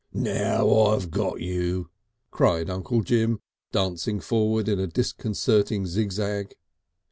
"Now I got you!" cried Uncle Jim, dancing forward in a disconcerting zigzag.